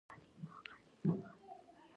هو، ټیکټ می اخیستی دی